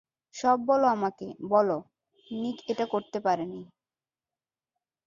সব বলো আমাকে বলো নিক এটা করতে পারেনি।